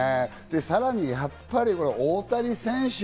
さらにやっぱり大谷選手。